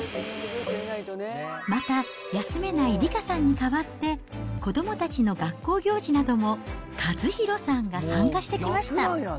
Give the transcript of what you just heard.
また、休めない理佳さんに代わって、子どもたちの学校行事なども、和博さんが参加してきました。